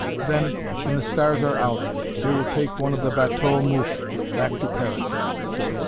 Then, when the stars are out, they will take one of the "bateaux mouches" back to Paris.